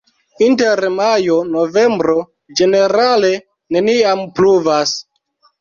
Inter majo-novembro ĝenerale neniam pluvas.